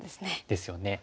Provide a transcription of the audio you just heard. ですよね。